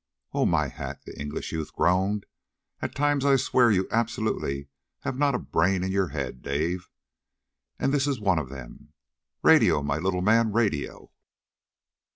"Oh my hat!" the English youth groaned. "At times I swear you absolutely have not a brain in your head, Dave. And this is one of them. Radio, my little man. Radio!"